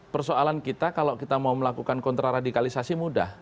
persoalan kita kalau kita mau melakukan kontra radikalisasi mudah